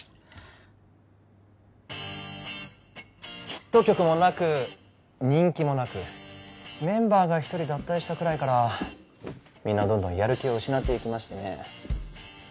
ヒット曲もなく人気もなくメンバーが一人脱退したくらいからみんなどんどんやる気を失っていきましてね